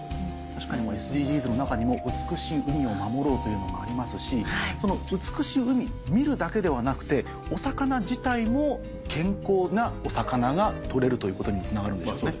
確かにＳＤＧｓの中にも美しい海を守ろうというのもありますしその美しい海見るだけではなくてお魚自体も健康なお魚が取れるということにもつながるんでしょうね。